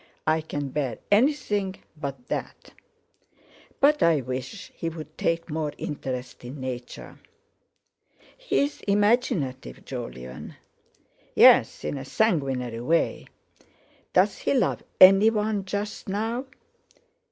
I can bear anything but that. But I wish he'd take more interest in Nature." "He's imaginative, Jolyon." "Yes, in a sanguinary way. Does he love anyone just now?"